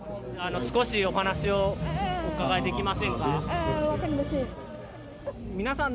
少しお話をお伺いできません分かりません。